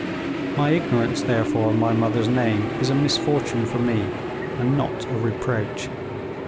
My ignorance, therefore, of my mother's name is a misfortune for me, and not a reproach.